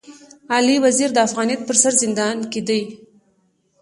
علي وزير د افغانيت پر سر زندان کي دی.